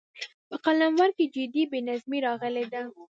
په قلمرو کې جدي بې نظمي راغلې ده.